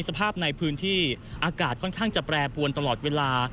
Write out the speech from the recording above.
สภาพในพื้นที่อากาศค่อนข้างจะแปรปวนตลอดเวลา